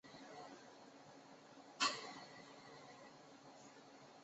洛汗语是托尔金的中土世界洛汗国的语言。